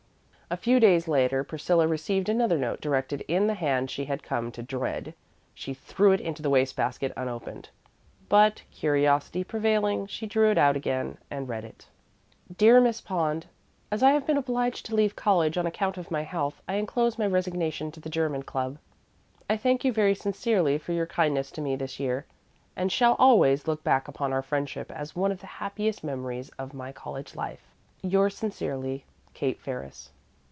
A few days later Priscilla received another note directed in the hand she had come to dread. She threw it into the waste basket unopened; but, curiosity prevailing, she drew it out again and read it: DEAR MISS POND: As I have been obliged to leave college on account of my health, I inclose my resignation to the German Club. I thank you very sincerely for your kindness to me this year, and shall always look back upon our friendship as one of the happiest memories of my college life. Yours sincerely, KATE FERRIS.